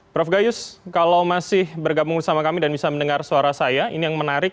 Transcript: prof gayus kalau masih bergabung bersama kami dan bisa mendengar suara saya ini yang menarik